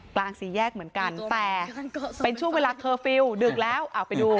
กลางสี่แยกเหมือนกันแต่เป็นช่วงเวลาเคอร์ฟิลลดึกแล้วเอาไปดู